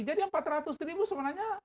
jadi yang empat ratus ribu sebenarnya